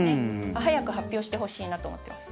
早く発表してほしいなと思っています。